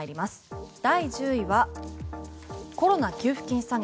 第１０位は、コロナ給付金詐欺。